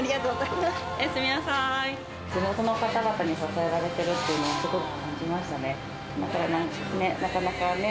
地元の方々に支えられてるっていうのは、すごく感じましたね。